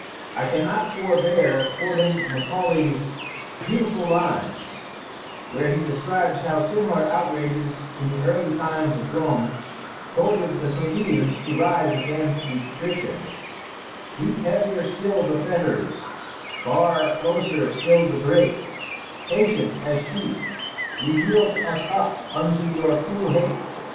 [I cannot forbear quoting Macaulay's beautiful lines, where he describes how similar outrages in the early times of Rome goaded the plebeians to rise against the patricians: "Heap heavier still the fetters; bar closer still the grate; Patient as sheep we yield us up unto your cruel hate.